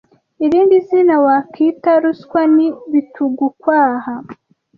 irindi zina wakita ruswa ni bitugukwaha